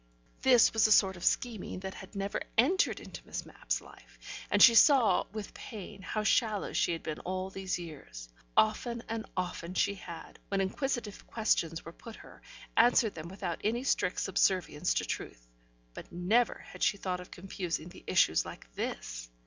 This was a sort of scheming that had never entered into Miss Mapp's life, and she saw with pain how shallow she had been all these years. Often and often she had, when inquisitive questions were put her, answered them without any strict subservience to truth, but never had she thought of confusing the issues like this.